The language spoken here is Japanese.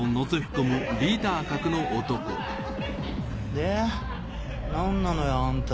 で何なのよあんた。